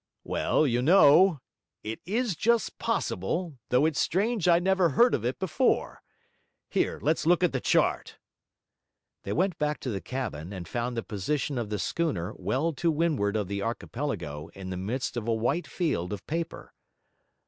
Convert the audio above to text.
Well, you know, it is just possible, though it's strange I never heard of it. Here, let's look at the chart.' They went back to the cabin, and found the position of the schooner well to windward of the archipelago in the midst of a white field of paper.